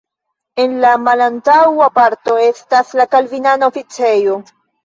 En la malantaŭa parto estas la kalvinana oficejo.